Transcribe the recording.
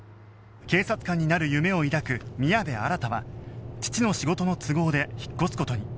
警察官になる夢を抱く宮部新は父の仕事の都合で引っ越す事に